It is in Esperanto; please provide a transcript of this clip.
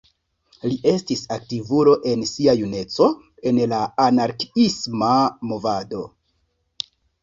Li estis aktivulo en sia juneco en la anarkiisma movado.